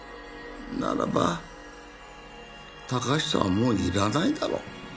ならば嵩人はもういらないだろ。